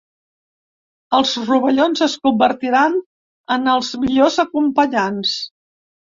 Els rovellons es convertiran en els millors acompanyants.